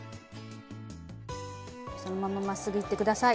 そのまままっすぐいって下さい。